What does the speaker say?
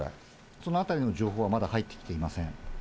そのあたりの情報はまだ入ってきていません。